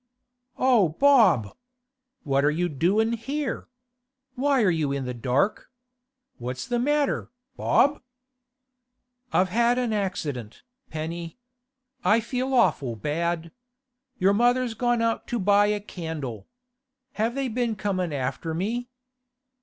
'O Bob! What are you doin' here? Why are you in the dark? What's the matter, Bob?' 'I've had an accident, Penny. I feel awful bad. Your mother's gone out to buy a candle. Have they been coming after me?